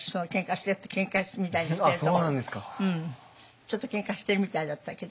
ちょっとケンカしてるみたいだったけど。